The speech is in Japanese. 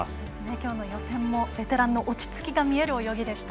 きょうの予選もベテランの落ち着きが見える泳ぎでした。